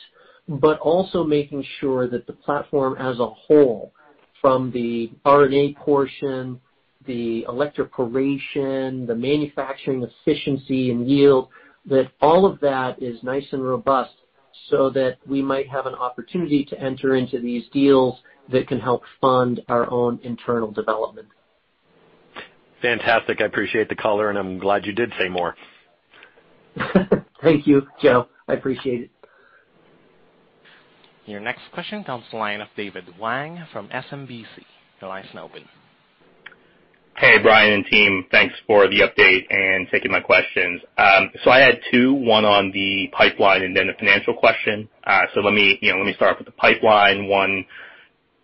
but also making sure that the platform as a whole, from the RNA portion, the electroporation, the manufacturing efficiency and yield, that all of that is nice and robust so that we might have an opportunity to enter into these deals that can help fund our own internal development. Fantastic. I appreciate the color, and I'm glad you did say more. Thank you, Joe. I appreciate it. Your next question comes to the line of [David Wang] from SMBC. Your line's now open. Hey, Brian and team. Thanks for the update and taking my questions. I had two, one on the pipeline and then a financial question. Let me, you know, let me start with the pipeline one.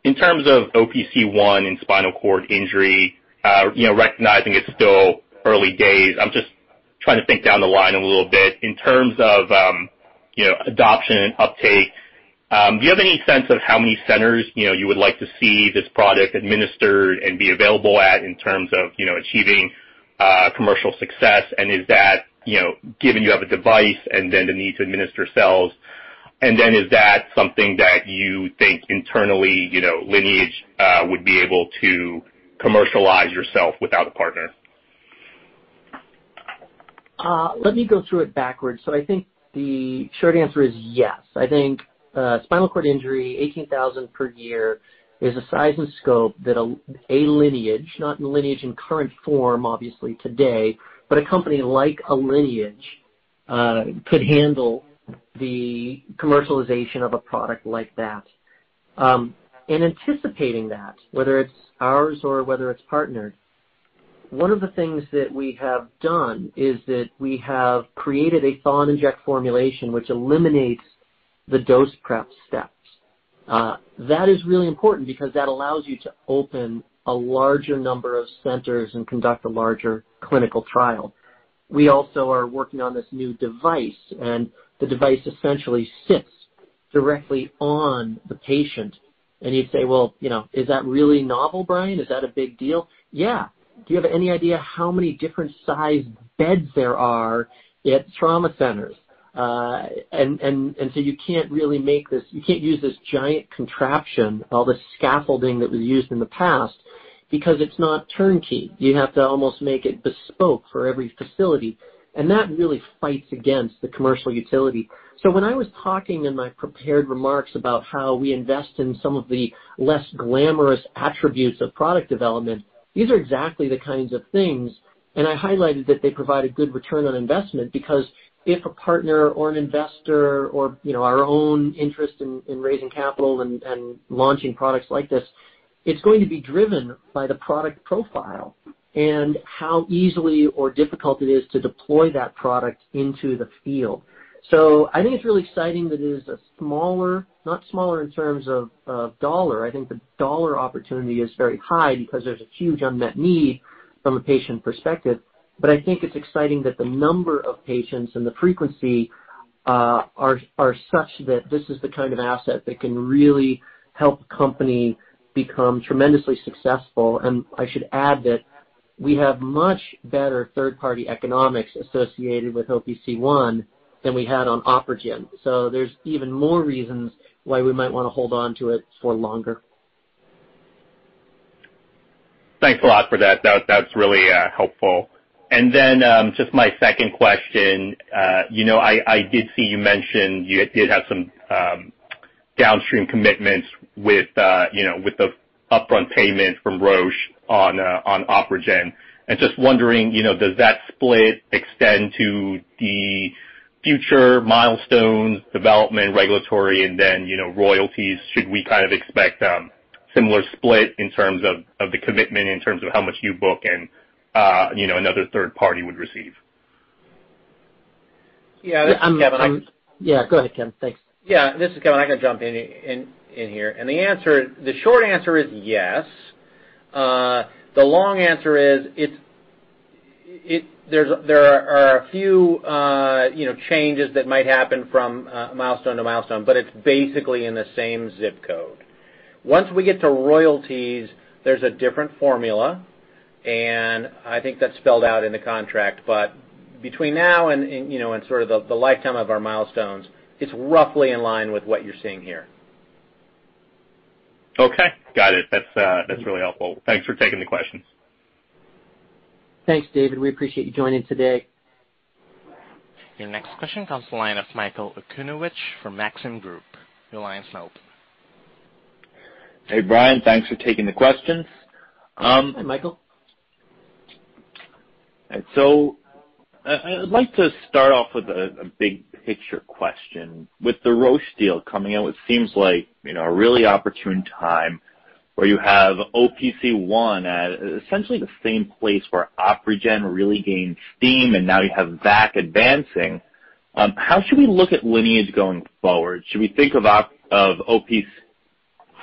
In terms of OPC1 and spinal cord injury, you know, recognizing it's still early days, I'm just trying to think down the line a little bit. In terms of, you know, adoption and uptake, do you have any sense of how many centers, you know, you would like to see this product administered and be available at in terms of, you know, achieving commercial success? Is that, you know, given you have a device and then the need to administer cells, and then is that something that you think internally, you know, Lineage, would be able to commercialize yourself without a partner? Let me go through it backwards. I think the short answer is yes. I think spinal cord injury, 18,000 per year, is a size and scope that a Lineage, not Lineage in current form obviously today, but a company like a Lineage, could handle the commercialization of a product like that. In anticipating that, whether it's ours or whether it's partnered, one of the things that we have done is that we have created a thaw and inject formulation which eliminates the dose prep steps. That is really important because that allows you to open a larger number of centers and conduct a larger clinical trial. We also are working on this new device, and the device essentially sits directly on the patient. You'd say, "Well, you know, is that really novel, Brian? Is that a big deal?" Yeah. Do you have any idea how many different sized beds there are at trauma centers? You can't really make this. You can't use this giant contraption, all the scaffolding that was used in the past, because it's not turnkey. You have to almost make it bespoke for every facility, and that really fights against the commercial utility. When I was talking in my prepared remarks about how we invest in some of the less glamorous attributes of product development, these are exactly the kinds of things, and I highlighted that they provide a good return on investment because if a partner or an investor or, you know, our own interest in raising capital and launching products like this, it's going to be driven by the product profile and how easily or difficult it is to deploy that product into the field. I think it's really exciting that it is a smaller, not smaller in terms of dollar. I think the dollar opportunity is very high because there's a huge unmet need from a patient perspective, but I think it's exciting that the number of patients and the frequency are such that this is the kind of asset that can really help company become tremendously successful. I should add that we have much better third-party economics associated with OPC1 than we had on OpRegen. There's even more reasons why we might wanna hold on to it for longer. Thanks a lot for that. That's really helpful. Just my second question. You know, I did see you mention you did have some downstream commitments with you know, with the upfront payment from Roche on OpRegen. I'm just wondering, you know, does that split extend to the future milestones, development, regulatory, and then, you know, royalties? Should we kind of expect similar split in terms of the commitment, in terms of how much you book and you know, another third party would receive? Yeah. Yeah, Kevin. Yeah, go ahead, Kevin. Thanks. Yeah. This is Kevin. I can jump in here. The answer, the short answer is yes. The long answer is there are a few, you know, changes that might happen from milestone to milestone, but it's basically in the same zip code. Once we get to royalties, there's a different formula, and I think that's spelled out in the contract. Between now and, you know, and sort of the lifetime of our milestones, it's roughly in line with what you're seeing here. Okay. Got it. That's really helpful. Thanks for taking the questions. Thanks, David. We appreciate you joining today. Your next question comes to the line of Michael Okunewitch from Maxim Group. Your line's now open. Hey, Brian. Thanks for taking the questions. Hi, Michael. I'd like to start off with a big picture question. With the Roche deal coming out, what seems like, you know, a really opportune time where you have OPC1 at essentially the same place where OpRegen really gained steam, and now you have VAC advancing, how should we look at Lineage going forward? Should we think of OPC1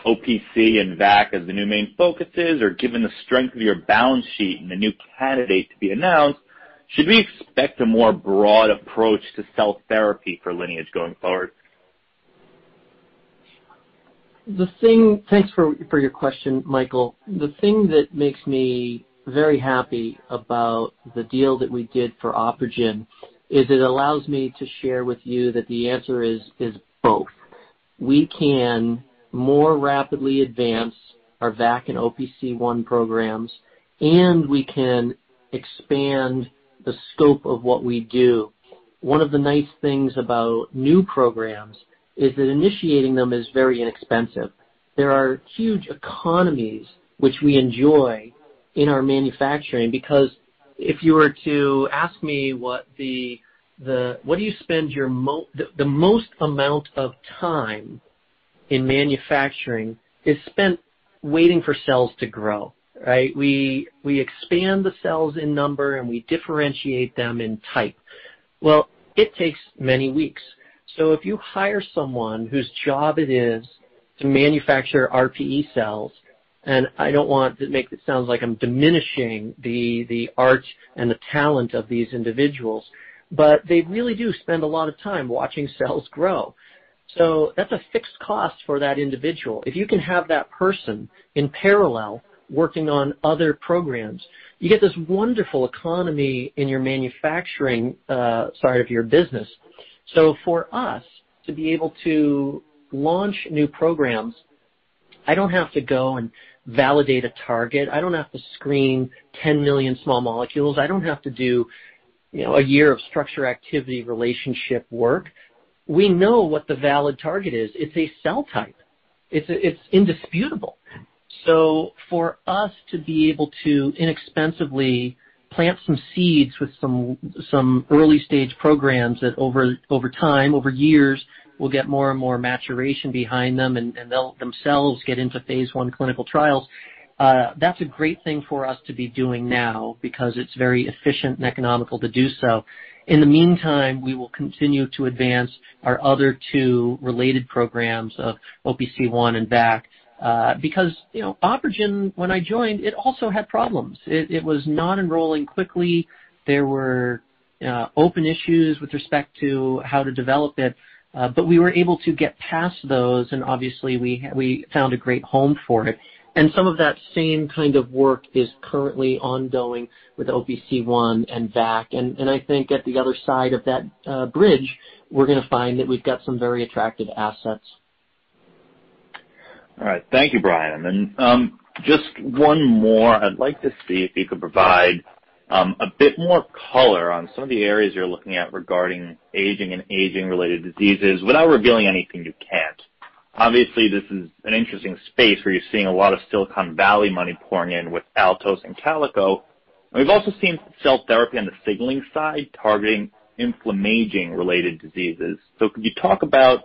and VAC as the new main focuses? Or given the strength of your balance sheet and the new candidate to be announced, should we expect a more broad approach to cell therapy for Lineage going forward? Thanks for your question, Michael. The thing that makes me very happy about the deal that we did for OpRegen is it allows me to share with you that the answer is both. We can more rapidly advance our VAC and OPC1 programs, and we can expand the scope of what we do. One of the nice things about new programs is that initiating them is very inexpensive. There are huge economies which we enjoy in our manufacturing because if you were to ask me what the most amount of time in manufacturing is spent waiting for cells to grow, right? We expand the cells in number, and we differentiate them in type. Well, it takes many weeks. If you hire someone whose job it is to manufacture RPE cells, and I don't want to make it sound like I'm diminishing the art and the talent of these individuals, but they really do spend a lot of time watching cells grow. That's a fixed cost for that individual. If you can have that person in parallel working on other programs, you get this wonderful economy in your manufacturing side of your business. For us to be able to launch new programs, I don't have to go and validate a target. I don't have to screen 10 million small molecules. I don't have to do, you know, a year of structure-activity relationship work. We know what the valid target is. It's a cell type. It's indisputable. For us to be able to inexpensively plant some seeds with some early-stage programs that over time, over years, will get more and more maturation behind them and they'll themselves get into phase I clinical trials, that's a great thing for us to be doing now because it's very efficient and economical to do so. In the meantime, we will continue to advance our other two related programs of OPC1 and VAC, because, you know, OpRegen, when I joined, it also had problems. It was not enrolling quickly. There were open issues with respect to how to develop it, but we were able to get past those and obviously we found a great home for it. Some of that same kind of work is currently ongoing with OPC1 and VAC. I think at the other side of that bridge, we're gonna find that we've got some very attractive assets. All right. Thank you, Brian. Just one more. I'd like to see if you could provide a bit more color on some of the areas you're looking at regarding aging and aging-related diseases without revealing anything you can't. Obviously, this is an interesting space where you're seeing a lot of Silicon Valley money pouring in with Altos and Calico. We've also seen cell therapy on the signaling side targeting inflammaging-related diseases. Could you talk about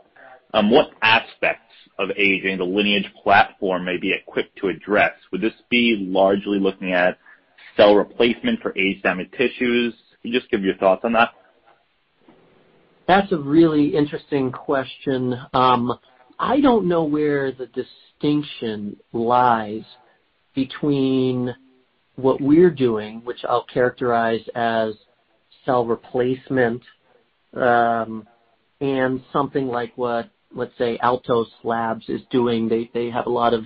what aspects of aging the Lineage platform may be equipped to address? Would this be largely looking at cell replacement for age-damaged tissues? Can you just give your thoughts on that? That's a really interesting question. I don't know where the distinction lies between what we're doing, which I'll characterize as cell replacement, and something like what, let's say, Altos Labs is doing. They have a lot of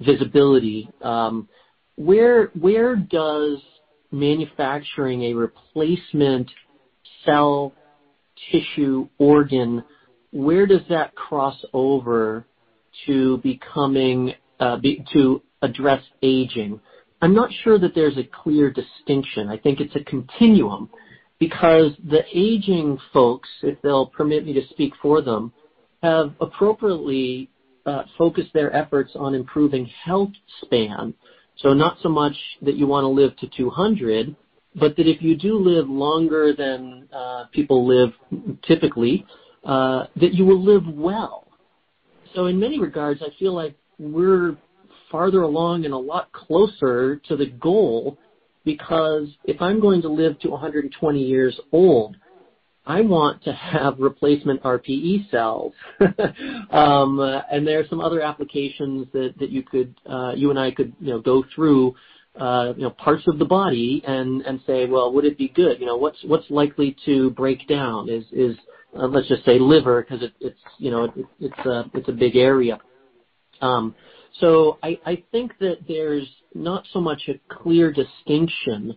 visibility. Where does manufacturing a replacement cell tissue organ, where does that cross over to becoming to address aging? I'm not sure that there's a clear distinction. I think it's a continuum because the aging folks, if they'll permit me to speak for them, have appropriately focused their efforts on improving health span. Not so much that you wanna live to 200, but that if you do live longer than people live typically, that you will live well. In many regards, I feel like we're farther along and a lot closer to the goal because if I'm going to live to 120 years old, I want to have replacement RPE cells. There are some other applications that you and I could go through parts of the body and say, "Well, would it be good?" You know, what's likely to break down? Let's just say liver 'cause it's a big area. I think that there's not so much a clear distinction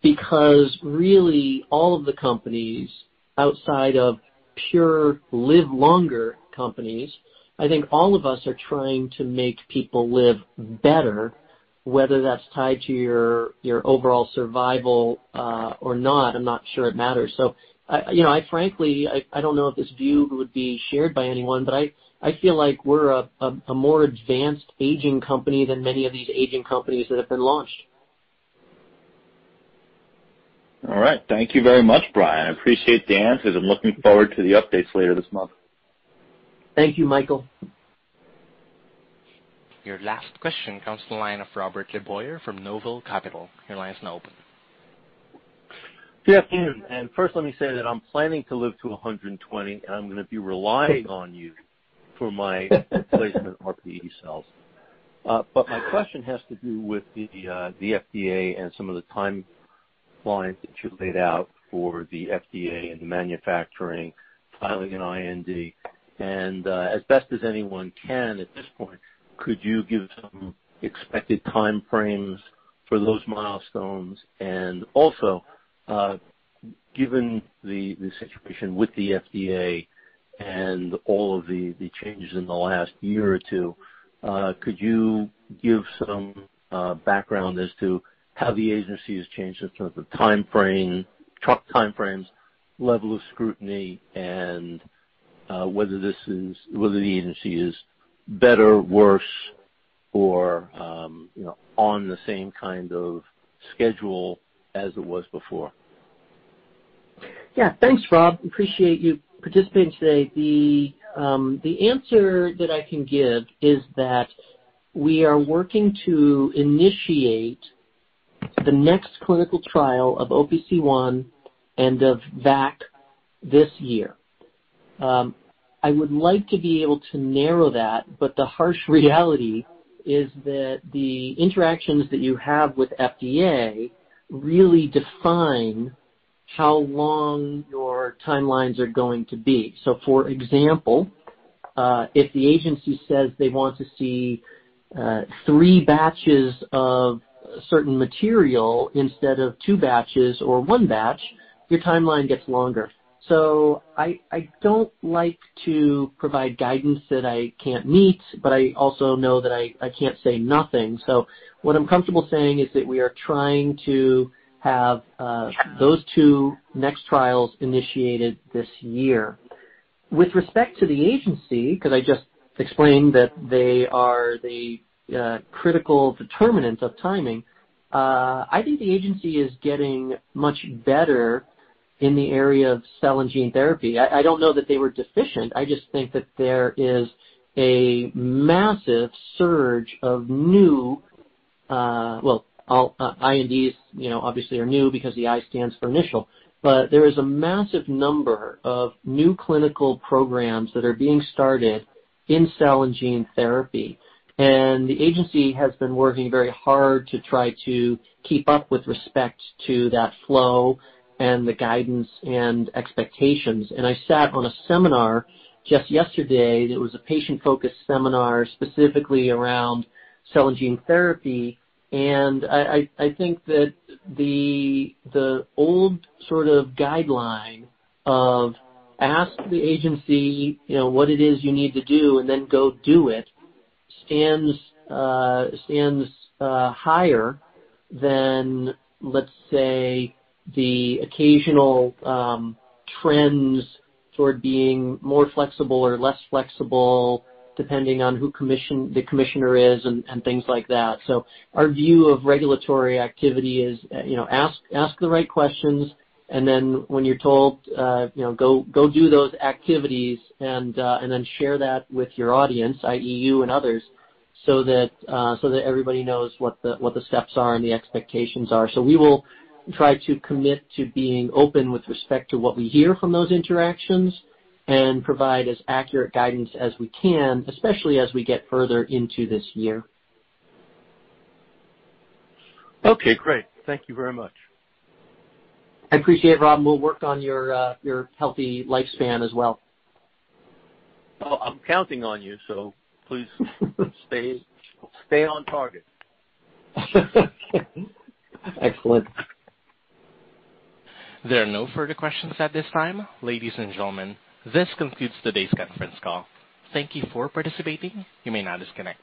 because really all of the companies outside of pure live longer companies, I think all of us are trying to make people live better, whether that's tied to your overall survival or not. I'm not sure it matters. I you know frankly don't know if this view would be shared by anyone, but I feel like we're a more advanced aging company than many of these aging companies that have been launched. All right. Thank you very much, Brian. I appreciate the answers and looking forward to the updates later this month. Thank you, Michael. Your last question comes from the line of Robert LeBoyer from Noble Capital. Your line is now open. Good afternoon, and first let me say that I'm planning to live to 120, and I'm gonna be relying on you for my replacement RPE cells. But my question has to do with the FDA and some of the timelines that you laid out for the FDA and the manufacturing, filing an IND. As best as anyone can at this point, could you give some expected timeframes for those milestones? Also, given the situation with the FDA and all of the changes in the last year or two, could you give some background as to how the agency has changed in terms of time frames, level of scrutiny, and whether the agency is better, worse or, you know, on the same kind of schedule as it was before? Yeah. Thanks, Rob. Appreciate you participating today. The answer that I can give is that we are working to initiate the next clinical trial of OPC1 and of VAC this year. I would like to be able to narrow that, but the harsh reality is that the interactions that you have with FDA really define how long your timelines are going to be. For example, if the agency says they want to see three batches of certain material instead of two batches or one batch, your timeline gets longer. I don't like to provide guidance that I can't meet, but I also know that I can't say nothing. What I'm comfortable saying is that we are trying to have those two next trials initiated this year. With respect to the agency, because I just explained that they are the critical determinant of timing, I think the agency is getting much better in the area of cell and gene therapy. I don't know that they were deficient. I just think that there is a massive surge of new, well, all INDs, you know, obviously are new because the I stands for initial. There is a massive number of new clinical programs that are being started in cell and gene therapy, and the agency has been working very hard to try to keep up with respect to that flow and the guidance and expectations. I sat on a seminar just yesterday, it was a patient-focused seminar specifically around cell and gene therapy. I think that the old sort of guideline of ask the agency, you know, what it is you need to do and then go do it stands higher than, let's say, the occasional trends toward being more flexible or less flexible depending on who the commissioner is and things like that. Our view of regulatory activity is, you know, ask the right questions, and then when you're told, you know, go do those activities and then share that with your audience, i.e. you and others, so that everybody knows what the steps are and the expectations are. We will try to commit to being open with respect to what we hear from those interactions and provide as accurate guidance as we can, especially as we get further into this year. Okay, great. Thank you very much. I appreciate it, Rob. We'll work on your healthy lifespan as well. Oh, I'm counting on you, so please stay on target. Excellent. There are no further questions at this time. Ladies and gentlemen, this concludes today's conference call. Thank you for participating. You may now disconnect.